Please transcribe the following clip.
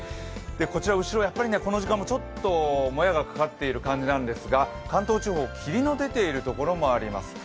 後ろ、この時間、ちょっともやがかかってる感じなんですが関東地方霧の出ているところもあります。